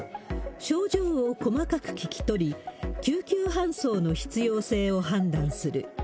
症状を細かく聞き取り、救急搬送の必要性を判断する。